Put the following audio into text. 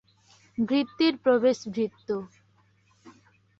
ভৃত্যের প্রবেশ ভৃত্য।